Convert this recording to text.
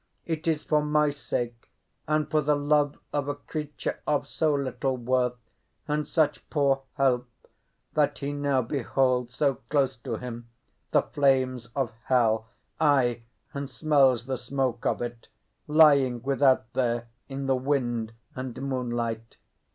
It is for my sake, and for the love of a creature of so little worth and such poor help, that he now beholds so close to him the flames of hell—ay, and smells the smoke of it, lying without there in the wind and moonlight.